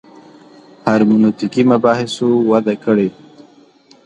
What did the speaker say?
هرمنوتیکي مباحثو وده کړې.